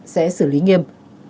sẽ xử lý nghiêm